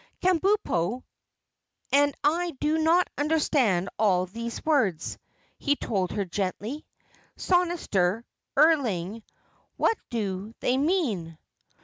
"Kabumpo and I do not understand all those words," he told her gently. "'Sonestor earling' what do they mean?"